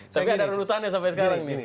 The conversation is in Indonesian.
tapi ada rurutannya sampai sekarang nih